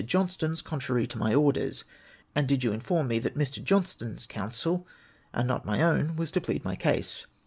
Johnstone's contrary to my orders ? and did you inform me that Mr. Johnstone's counsel, and not my own, Avas to plead my cause